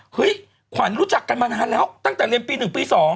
ขวัญรู้จักกันมานานแล้วตั้งแต่เรียนปี๑ปี๒